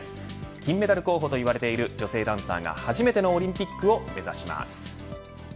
金メダル候補と言われている女性ダンサーが初めてのオリンピックを目指します。